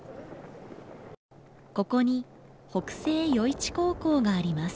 ここに北星余市高校があります。